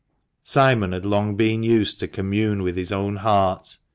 Simon had long been used to commune with his own heart.